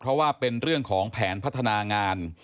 เพราะว่าเป็นเรื่องของแผนพัฒนางาน